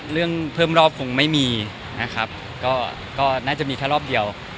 เรื่องเพิ่มรอบคงไม่มีนะครับก็น่าจะมีแค่รอบเดียว